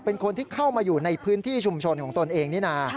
เป็นคนที่เข้ามาอยู่ในพื้นที่ชุมชนของตนเองนี่นะ